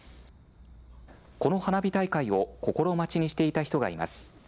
この花火大会を心待ちにしていた人がいます。